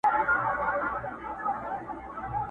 بخیل تندي ته مي زارۍ په اوښکو ولیکلې.!